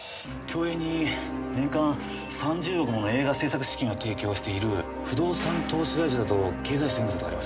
共映に年間３０億もの映画製作資金を提供している不動産投資会社だと経済誌で読んだ事があります。